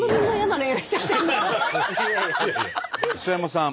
磯山さん。